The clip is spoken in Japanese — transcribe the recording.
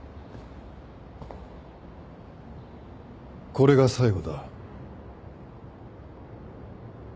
これが最後だ。